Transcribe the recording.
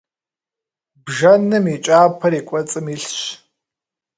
Бжэным и кӀапэр и кӀуэцӀым илъщ.